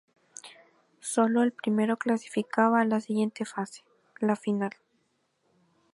Sólo el primero clasificaba a la siguiente fase, la final.